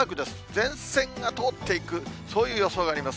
前線が通っていく、そういう予想があります。